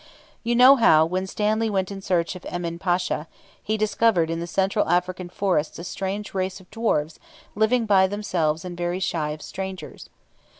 You know how, when Stanley went in search of Emin Pasha, he discovered in the Central African forests a strange race of dwarfs, living by themselves, and very shy of strangers.